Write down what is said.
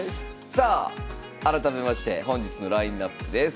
さあ改めまして本日のラインナップです。